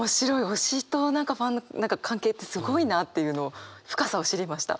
推しとファンの関係ってすごいなあっていうのを深さを知りました。